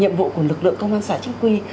nhiệm vụ của lực lượng công an xã chính quy